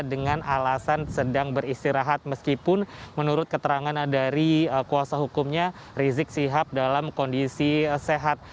dengan alasan sedang beristirahat meskipun menurut keterangan dari kuasa hukumnya rizik sihab dalam kondisi sehat